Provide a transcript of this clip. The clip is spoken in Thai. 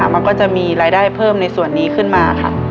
มันก็จะมีรายได้เพิ่มในส่วนนี้ขึ้นมาค่ะ